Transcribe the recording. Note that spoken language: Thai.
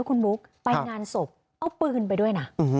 คุณบุ๊คไปงานศพเอาปืนไปด้วยนะ